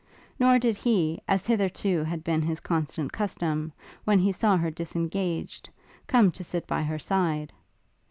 Nor did he, as hitherto had been his constant custom, when he saw her disengaged, come to sit by her side.